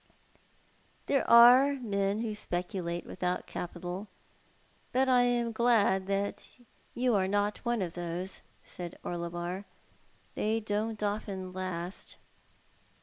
"There are men who speculate without capital; but I am glad you are not one of those," said Orlebar. "They don't often last."